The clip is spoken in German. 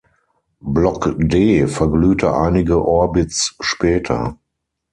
Block-D verglühte einige Orbits später.